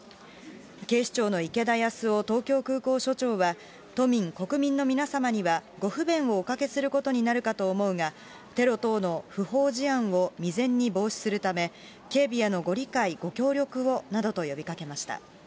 警視庁の池田安夫東京空港署長は、都民、国民の皆様には、ご不便をおかけすることになるかと思うが、テロ等の不法事案を未然に防止するため、警備へのご理解、ご協力をなどと呼びかけました。